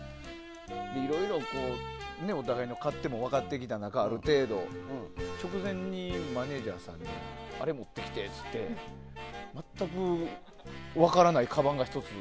いろいろとお互いの勝手も分かってきた中ある程度直前にマネジャーさんにあれ持ってきてって言って全く分からないかばんが１つ。